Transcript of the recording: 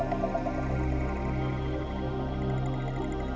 dan baik dengan tiba tiba di dalam badanya pemertanya